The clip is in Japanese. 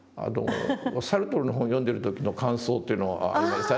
サルトルの本を読んでる時の感想というのがありましたね。